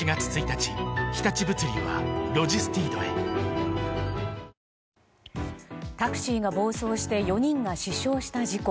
本麒麟タクシーが暴走して４人が死傷した事故。